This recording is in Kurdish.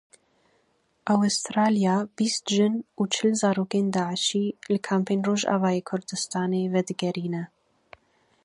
Awistraliya bîst jin û çil zarokên Daişî li kampên Rojavayê Kurdistanê vedigerîne.